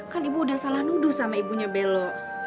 kan ibu udah salah nuduh sama ibunya belo